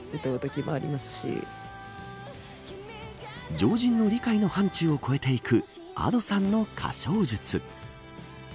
常人の理解の範ちゅうを超えていくＡｄｏさんの歌唱術。